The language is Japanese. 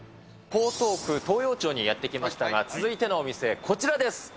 江東区東陽町にやって来ましたが、続いてのお店、こちらです。